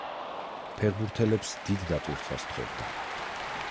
ფეხბურთელებს დიდ დატვირთვას თხოვდა.